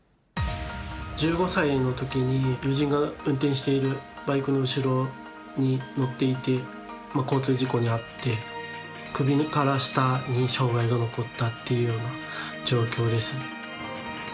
１５歳のときに友人が運転しているバイクの後ろに乗っていて交通事故に遭って首から下に障がいが残ったっていうような状況ですね。